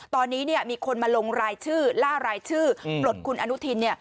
ตอนนี้มีคนมาลงรายชื่อล่ารายชื่อปลดคุณอนุทินเนี่ย